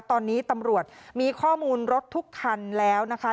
ตอนนี้ตำรวจมีข้อมูลรถทุกคันแล้วนะคะ